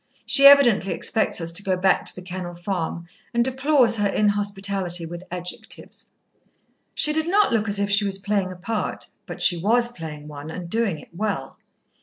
She evidently expects us to go back to The Kennel Farm, and deplores her inhospitality, with adjectives." She did not look as if she was playing a part; but she was playing one, and doing it well.